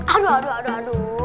aduh aduh aduh